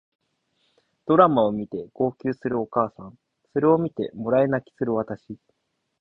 ドラマを見て号泣するお母さんそれを見てもらい泣きする私